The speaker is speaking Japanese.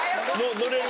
乗れる？